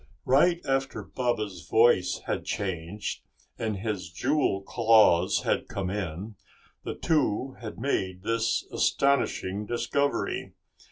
Right after Baba's voice had changed and his jewel claws had come in, the two had made this astonishing discovery.